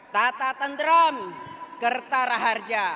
tata tenteram kertarah harja